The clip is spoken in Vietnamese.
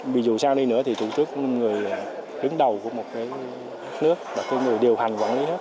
vì dù sao đi nữa thì thủ tướng là người đứng đầu của một nước và là người điều hành quản lý nước